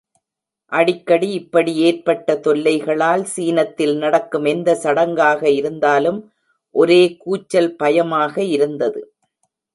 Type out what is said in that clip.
அடிக்கடி இப்படி ஏற்பட்ட தொல்லைகளால் சீனத்தில் நடக்கும் எந்த சடங்காக இருந்தாலும் ஒரே கூச்சல் பயமாக இருந்தது.